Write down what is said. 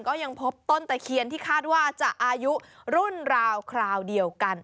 ก็ยังพบต้นตะเคียนที่คาดว่าจะอายุรุ่นราวคราวเดียวกัน